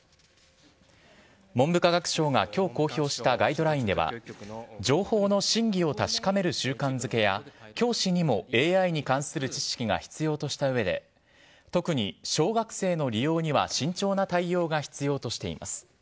文部科学省がきょう公表したガイドラインでは、情報の真偽を確かめる習慣づけや、教師にもＡＩに関する知識が必要としたうえで、特に小学生の利用には、慎重な対応が必要としています。